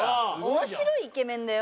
「面白い」「イケメン」だよ。